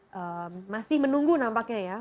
masih menunggu nampaknya ya